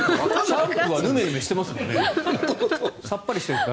シャンプーはヌルヌルしてますもんね。